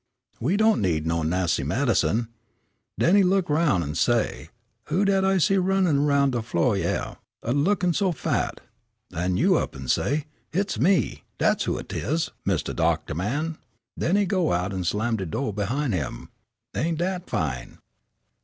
We don' need no nassy medicine.' Den he look 'roun' an' say: 'Who dat I see runnin' roun' de flo' hyeah, a lookin' so fat?' an' you up an' say: 'Hit's me, dat's who 'tis, mistah doctor man!' Den he go out an' slam de do' behin' him. Ain' dat fine?"